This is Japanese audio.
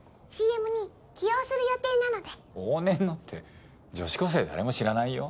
ＣＭに起用する予定なので往年のって女子高生誰も知らないよ